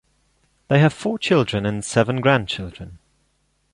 They have four children and seven grandchildren.